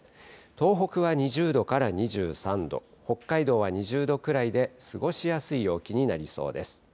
東北は２０度から２３度、北海道は２０度くらいで過ごしやすい陽気になりそうです。